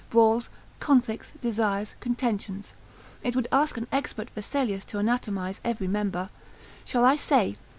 brawls, conflicts, desires, contentions, it would ask an expert Vesalius to anatomise every member. Shall I say?